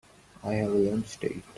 I have a lunch date.